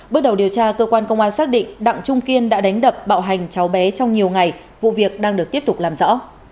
bước đầu điều tra cơ quan công an xác định đặng trung kiên đã đánh đập bạo hành cháu bé trong nhiều ngày vụ việc đang được tiếp tục làm rõ